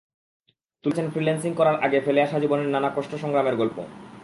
তুলে ধরেছেন ফ্রিল্যান্সিং করার আগে ফেলা আসা জীবনের নানা কষ্ট-সংগ্রামের গল্প।